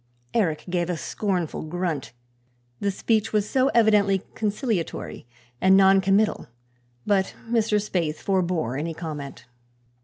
Eric gave a scornful grunt, the speech was so evidently conciliatory and noncommittal, but Mr. Spaythe forbore any comment.